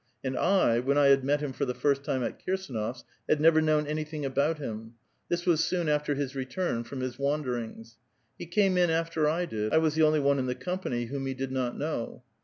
And I, when I had met him for the first time, at Kirsdnof's, had never known any thing about him ; this was soon after his return from his wanderings. He came in after I did ; I was the only one in the compau}' whom he did not know.